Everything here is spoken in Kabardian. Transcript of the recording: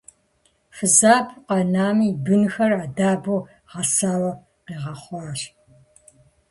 Фызабэу къэнами, и бынхэр Ӏэдэбу, гъэсауэ къигъэхъуащ.